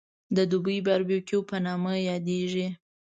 د دوبۍ باربکیو په نامه یادېږي.